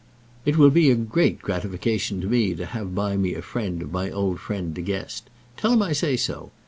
It will be a great gratification to me to have by me a friend of my old friend De Guest. Tell him I say so.